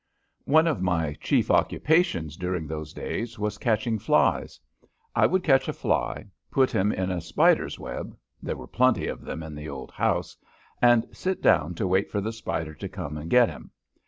One of my chief occupations during those days was catching flies. I would catch a fly, put him in a spider's web there were plenty of them in the old house and sit down to wait for the spider to come and get him.